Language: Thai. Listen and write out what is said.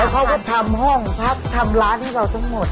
เขาก็ทำห้องพักทำร้านให้เราทั้งหมด